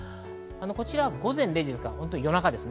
こちら午前０時です、夜中です。